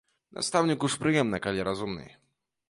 Настаўніку ж прыемна, калі разумны.